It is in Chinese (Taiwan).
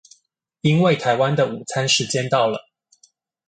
因為台灣的午餐時間到了